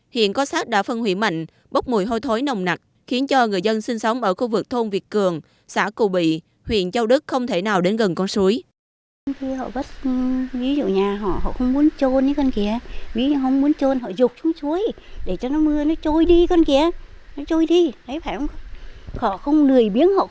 hiện có sát đã phân hủy mạnh bốc mùi hôi thối nồng nặc khiến cho người dân sinh sống ở khu vực thôn việt cường xã cù bị huyện châu đức không thể nào đến gần con suối